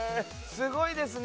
すごいですね。